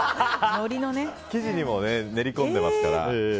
生地にも練りこんでいますから。